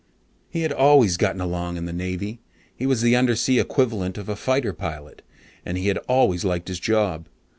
He had always gotten along in the Navy. He was the undersea equivalent of a fighter pilot, and he had always liked his job.